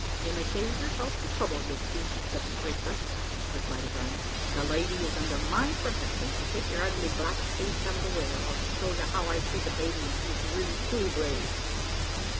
"You may save yourself the trouble, you dingy gut scraper," replied O'Brien; "the lady is under my protection, so take your ugly black face out of the way, or I'll show you how I treat a `'Badian who is really too brave.'"